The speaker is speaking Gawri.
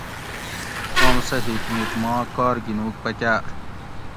اوم سہ حکمِت ما کار گینوگ پکاۤر